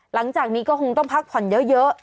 หลังจากนี้ก็คงต้องพักผ่อนเยอะ